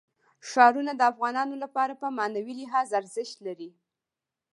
ښارونه د افغانانو لپاره په معنوي لحاظ ارزښت لري.